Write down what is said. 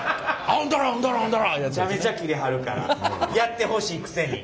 めちゃめちゃキレはるからやってほしいくせに。